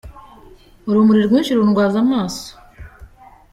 Urumuri rwishi rundwaza amaso.